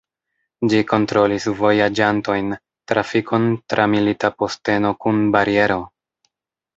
Ĝi kontrolis vojaĝantojn, trafikon tra milita posteno kun bariero.